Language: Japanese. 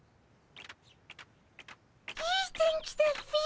いい天気だっピ。